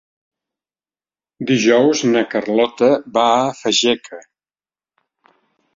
Dijous na Carlota va a Fageca.